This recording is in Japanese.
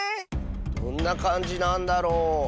どんなかんじなんだろう？